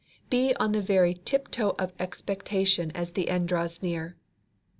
Be on the very tip toe of expectation as the end draws near.